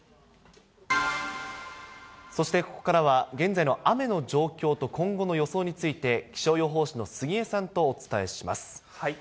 そしてここからは現在の雨の状況と今後の予想について、気象予報士の杉江さんとお伝えします。